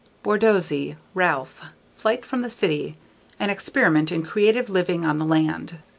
Borsodi, Ralph. _Flight from the City: An Experiment in Creative Living on the Land.